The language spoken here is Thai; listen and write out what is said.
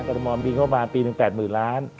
กรธมรณ์มีโอกมาปีถึง๘เมื่อล้าน